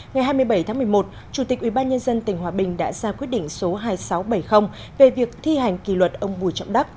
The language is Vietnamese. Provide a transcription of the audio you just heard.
ngày hai mươi bảy tháng một mươi một chủ tịch ubnd tỉnh hòa bình đã ra quyết định số hai nghìn sáu trăm bảy mươi về việc thi hành kỷ luật ông bùi trọng đắc